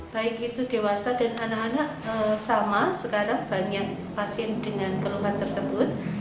baik itu dewasa dan anak anak sama sekarang banyak pasien dengan keluhan tersebut